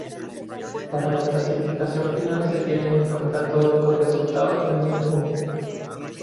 Para la clasificación final se tienen en cuenta todos los resultados menos uno.